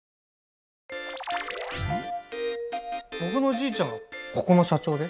僕のじいちゃんがここの社長で。